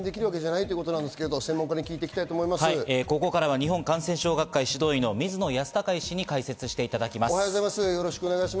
ここからは日本感染症学会・指導医の水野泰孝医師に解説していただきます。